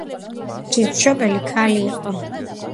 ღვთის მშობელი ქალი იყო.